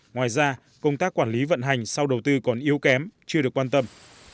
ngoài ra công tác quản lý vận hành sau đầu tư còn yếu kém chưa được quan tâm